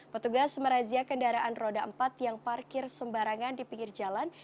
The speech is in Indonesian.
petugas merazia kendaraan roda empat yang parkir sembarangan di pinggir jalan